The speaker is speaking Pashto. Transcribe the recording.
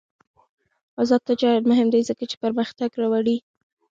آزاد تجارت مهم دی ځکه چې پرمختګ راوړي.